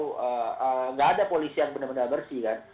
tidak ada polisi yang benar benar bersih kan